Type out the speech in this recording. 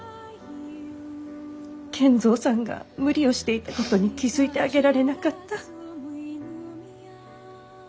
賢三さんが無理をしていたことに気付いてあげられなかった。